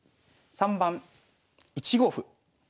３番１五歩。